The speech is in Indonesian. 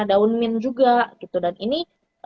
daun mint juga gitu dan ini